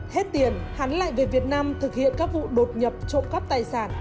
hết tiền hắn lại về việt nam thực hiện các vụ đột nhập trộm cắp tài sản